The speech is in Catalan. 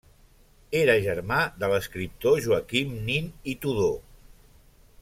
Era germà de l'escriptor Joaquim Nin i Tudó.